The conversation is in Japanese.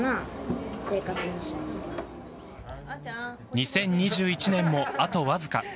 ２０２１年もあとわずか。